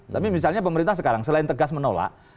tapi misalnya pemerintah sekarang selain tegas menolak